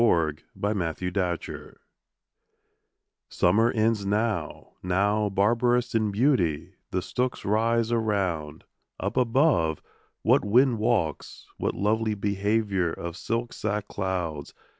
14 Hurrahing in Harvest SUMMER ends now; now, barbarous in beauty, the stooks rise Around; up above, what wind walks! what lovely behaviour Of silk sack clouds!